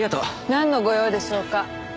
なんのご用でしょうか？